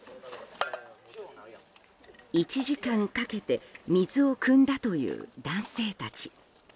１時間かけて水をくんだという男性たち。